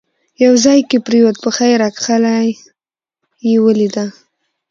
یو ځای کې پرېوت، پښه یې راکښله، یې ولیده.